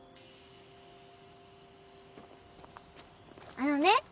あのね